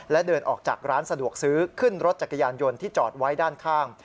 และเดินออกจากร้านสะดวกซื้อขึ้นรถจักรยานยนต์ที่จอดไว้ด้านข้าง